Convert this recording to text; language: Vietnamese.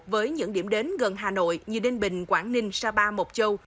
với những điểm đến gần hà nội như ninh bình quảng ninh sapa mộc châu